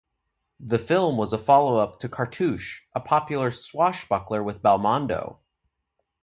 The film was a follow up to "Cartouche" a popular swashbuckler with Belmondo.